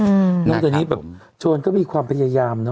ออินทรัพย์นอกจากนี้แบบชวนก็มีความพยายามเนอะ